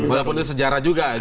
walaupun itu sejarah juga